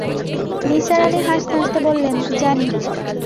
নিসার আলি হাসতে-হাসতে বললেন, জানি।